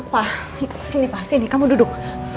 pak sini pak sini kamu duduk